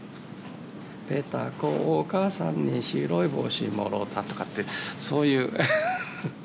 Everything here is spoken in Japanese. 「ペタコお母さんに白い帽子もろた」とかってそういう。